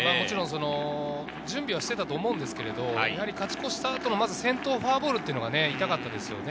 準備はしていたと思うんですけれど、勝ち越した後の先頭フォアボールが痛かったですね。